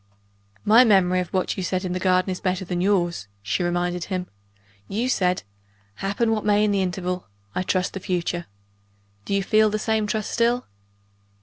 "My memory of what you said in the garden is better than yours," she reminded him. "You said 'Happen what may in the interval, I trust the future.' Do you feel the same trust still?"